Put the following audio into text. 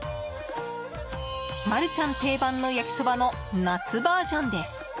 マルちゃん定番の焼きそばの夏バージョンです。